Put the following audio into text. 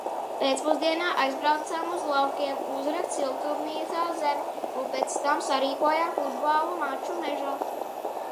Pēcpusdienā aizbraucām uz laukiem uzrakt siltumnīcā zemi un pēc tam sarīkojām futbola maču mežā.